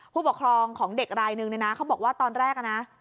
ผู้ปกครองของเด็กรายนึงเนี่ยนะเขาบอกว่าตอนแรกนะ